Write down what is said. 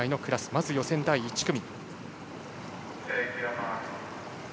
まず予選第１組。